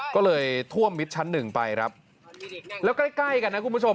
ก็เลยท่วมมิตรชั้น๑ไปแล้วก็ใกล้กันนะคุณผู้ชม